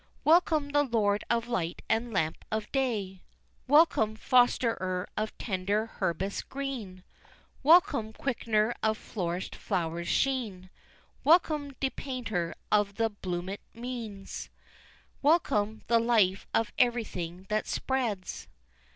"Welcome, the lord of light and lamp of day: Welcome, fosterer of tender herbis green; Welcome, quickener of flourish'd flowers' sheen. Welcome depainter of the bloomit meads; Welcome, the life of everything that spreads!"